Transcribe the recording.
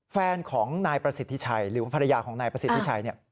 แฟนของนายประสิทธิชัยหรือภรรยาของนายประสิทธิชัย